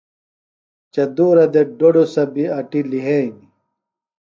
چدُورہ دےۡ ڈوۡڈُسہ بیۡ اٹیۡ لِھئینیۡ۔